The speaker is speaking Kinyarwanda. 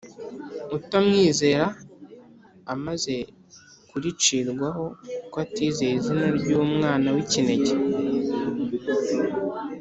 utamwizera amaze kuricirwaho, kuko atizeye izina ry'Umwana w'ikinege.